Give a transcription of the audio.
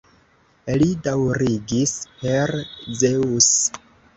Li daŭrigis: Per Zeŭs!